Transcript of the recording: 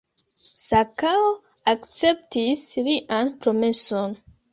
Sakao akceptis lian promeson.